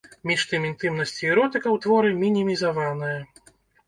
Між тым інтымнасць і эротыка ў творы мінімізаваная.